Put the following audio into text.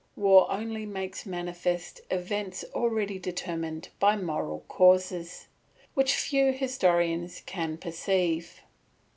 War only makes manifest events already determined by moral causes, which few historians can perceive.